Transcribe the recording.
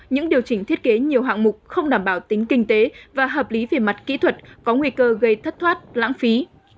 những điều chỉnh thiết kế nhiều hạng mục không đảm bảo tính kinh tế và hợp lý về mặt kỹ thuật có nguy cơ gây thất thoát lãng phí